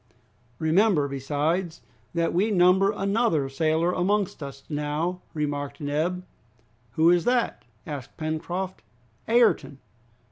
"Remember, besides, that we number another sailor amongst us now," remarked Neb. "Who is that?" asked Pencroft. "Ayrton."